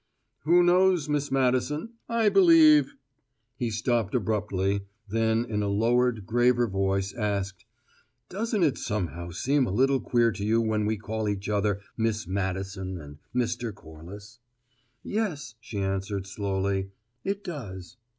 "Who knows, Miss Madison? I believe " He stopped abruptly, then in a lowered, graver voice asked: "Doesn't it somehow seem a little queer to you when we call each other, `Miss Madison' and `Mr. Corliss'?" "Yes," she answered slowly; "it does."